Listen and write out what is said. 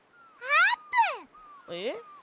えっ？